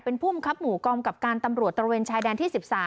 เป็นผู้บังคับหมู่กองกับการตำรวจตระเวนชายแดนที่๑๓